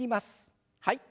はい。